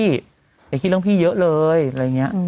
อย่าคิดเรื่องพี่เยอะเลยอะไรอย่างนี้